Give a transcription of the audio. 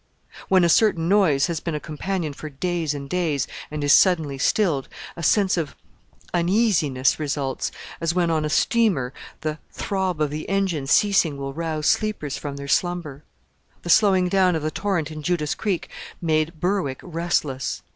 When a certain noise has been a companion for days and days, and is suddenly stilled, a sense of uneasiness results, as when on a steamer the throb of the engine ceasing will rouse sleepers from their slumber. The slowing down of the torrent in Judas Creek made Berwick restless.